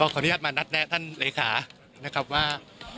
ขออนุญาตมานัดแนะท่านเลขานะครับว่า